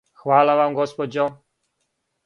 Хвала вам, госпођо.